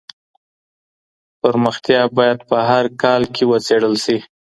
پرمختيا بايد په هر کال کي وڅېړل سي.